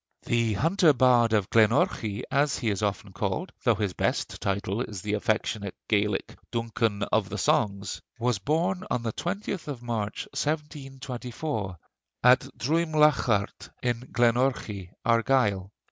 The Hunter Bard of Glenorchy, as he is often called, though his best title is the affectionate Gaelic "Duncan of the Songs," was born on the 20th of March, 1724, at Druimliaghart in Glenorchy, Argyll.